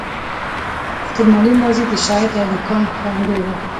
احتمالي ماضي د شاید او امکان ښکارندوی ده.